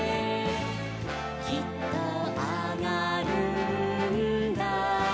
「きっとあがるんだ」